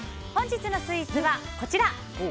本日のスイーツはこちら。